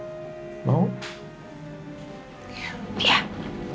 ya jangan berani cez